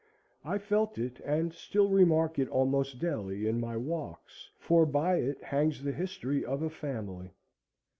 I felt it, and still remark it almost daily in my walks, for by it hangs the history of a family.